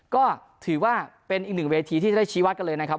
ก็ถือว่าเป็นอีกหนึ่งเวทีที่จะได้ชี้วัดกันเลยนะครับ